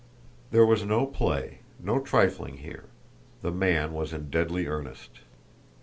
There was no play, no trifling here; the man was in deadly earnest.